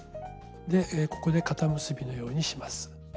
でここで固結びのようにします。